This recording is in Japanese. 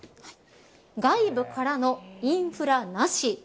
外部からのインフラなし。